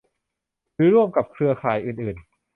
หรือร่วมกับเครือข่ายอื่นอื่น